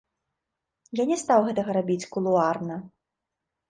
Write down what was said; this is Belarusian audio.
Я не стаў гэтага рабіць кулуарна.